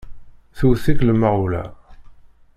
Tewwet-ik lmeɣwla!